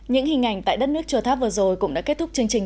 những hình ảnh tại đất nước chùa tháp vừa rồi cũng đã kết thúc chương trình